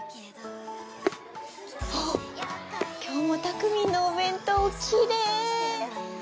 おっ今日もたくみんのお弁当きれい。